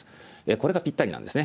これがぴったりなんですね。